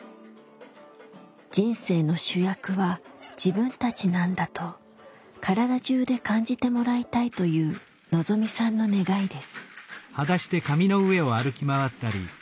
「人生の主役は自分たちなんだ」と体中で感じてもらいたいというのぞみさんの願いです。